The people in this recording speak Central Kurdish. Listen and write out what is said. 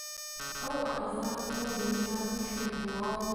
ئەو ئەعزا کۆبن یا پرژ و بڵاو